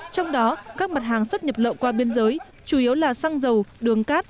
trong đó các mặt hàng xuất nhập lậu qua biên giới chủ yếu là xăng dầu đường cát